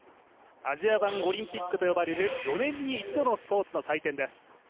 アジア版オリンピックと呼ばれる４年に一度のスポーツの祭典です。